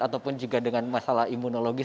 ataupun juga dengan masalah imunologis